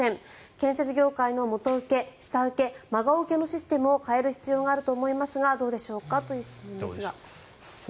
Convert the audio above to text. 建設業界の元受け、下請け孫請けのシステムを変える必要があると思いますがどうでしょうかという質問です。